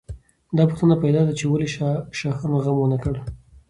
دا پوښتنه پیدا ده چې ولې شاهانو غم ونه کړ.